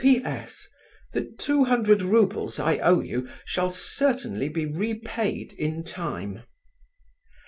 "P.S.—The two hundred roubles I owe you shall certainly be repaid in time."